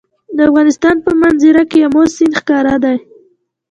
د افغانستان په منظره کې آمو سیند ښکاره ده.